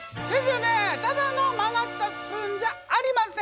ただの曲がったスプーンじゃありません。